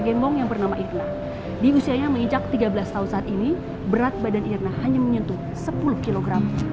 gembong yang bernama irna di usianya menginjak tiga belas tahun saat ini berat badan irna hanya menyentuh sepuluh kg